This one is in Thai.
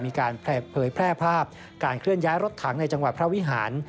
มีการเผยแพร่ภาพการเคลื่อนย้ายรถถังในจังหวัดพระวิหาร